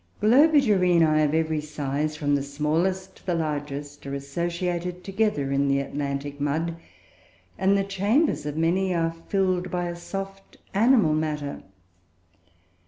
Globigerinoe of every size, from the smallest to the largest, are associated together in the Atlantic mud, and the chambers of many are filled by a soft animal matter.